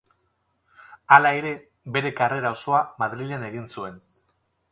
Hala ere, bere karrera osoa Madrilen egin zuen.